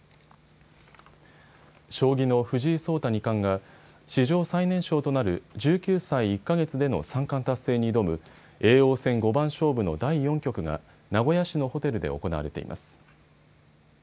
将棋の藤井聡太二冠が史上最年少となる１９歳１か月での三冠達成に挑む叡王戦五番勝負の第４局が名古屋市のホテルで行われています。